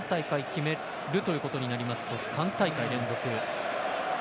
決めるということになりますと３大会連続。